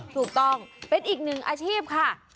ถูกต้องเป็นอีกหนึ่งอาชีพค่ะ